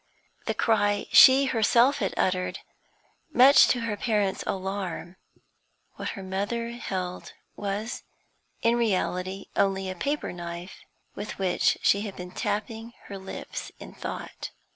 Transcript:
The cry she had herself uttered, much to her parents' alarm; what her mother held was in reality only a paper knife, with which she had been tapping her lips in thought.